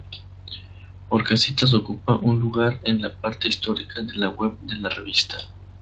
Orcasitas ocupa un lugar en la parte histórica de la web de la revista.